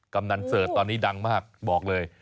กำนันเสิร์ตตอนนี้ดังมากบอกเลย